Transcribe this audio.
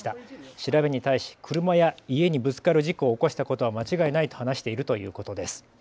調べに対し車や家にぶつかる事故を起こしたことは間違いないと話しているということです。